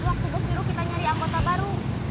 waktu bos jiru kita nyari anggota baru